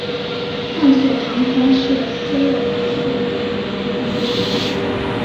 探索航空是斯洛伐克的航空公司。